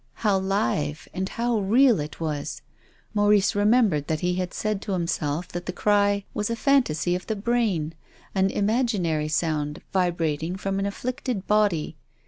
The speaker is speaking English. How live and how real it was ! Maurice re membered that he had said to himself that the cry was a phantasy of the brain, an imaginary sound vibrating from an afflicted body.